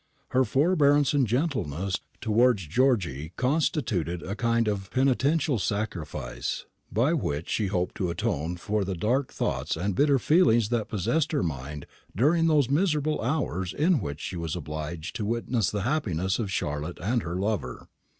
Her forbearance and gentleness towards Georgy constituted a kind of penitential sacrifice, by which she hoped to atone for the dark thoughts and bitter feelings that possessed her mind during those miserable hours in which she was obliged to witness the happiness of Charlotte and her lover.